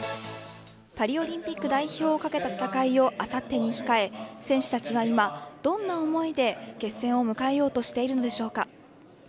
パリオリンピック代表をかけた戦いをあさってに控え選手たちは今どんな思いで決戦を迎えようとしているのでしょうか。